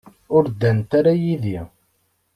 Ur ddant ara yid-i.